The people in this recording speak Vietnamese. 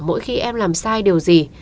mỗi khi em làm sai điều gì